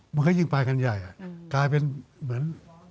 มันก็ยิ่งไปกันใหญ่กลายเป็นเหมือน